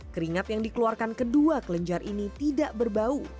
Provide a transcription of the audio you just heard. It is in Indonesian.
keringat yang dikeluarkan kedua kelenjar ini tidak berbau